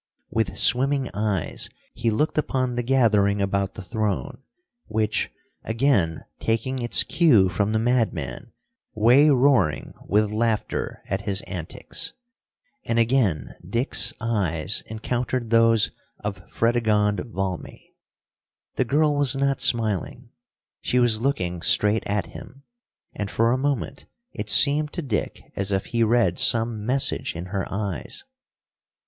With swimming eyes he looked upon the gathering about the throne, which, again taking its cue from the madman, way roaring with laughter at his antics. And again Dick's eyes encountered those of Fredegonde Valmy. The girl was not smiling. She was looking straight at him, and for a moment it seemed to Dick as if he read some message in her eyes.